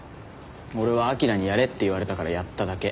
俺は彬にやれって言われたからやっただけ。